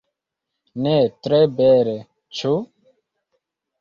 Ne tre bele, ĉu?